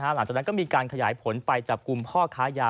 หลังจากนั้นก็มีการขยายผลไปจับกลุ่มพ่อค้ายา